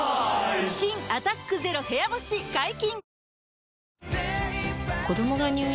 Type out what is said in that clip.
新「アタックＺＥＲＯ部屋干し」解禁‼